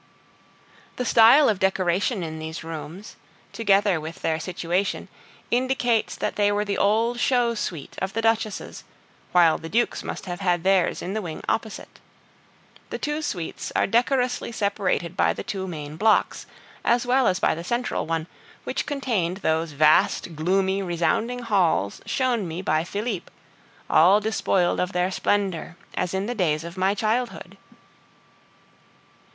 The style of decoration in these rooms, together with their situation, indicates that they were the old show suite of the duchesses, while the dukes must have had theirs in the wing opposite. The two suites are decorously separated by the two main blocks, as well as by the central one, which contained those vast, gloomy, resounding halls shown me by Philippe, all despoiled of their splendor, as in the days of my childhood.